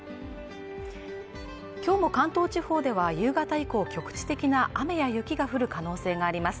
今日も関東地方では夕方以降局地的な雨や雪が降る可能性があります